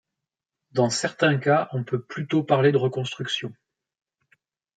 Dans certains cas on peut plutôt parler de reconstruction.